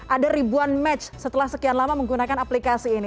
ada ribuan match setelah sekian lama menggunakan aplikasi ini